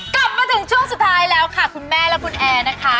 กลับมาถึงช่วงสุดท้ายแล้วค่ะคุณแม่และคุณแอร์นะคะ